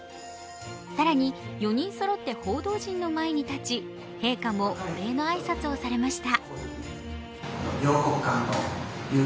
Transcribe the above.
更に、４人そろって報道陣の前に立ち陛下もお礼の挨拶をされました。